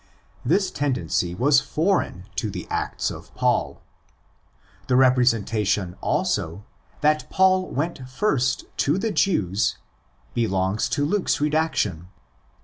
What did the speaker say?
This tendency was foreign to the Acts of Paul. The representation, also, that Paul went first to the Jews belongs to Luke's redac tion.